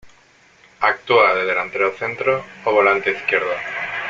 Actúa de delantero centro o Volante izquierdo.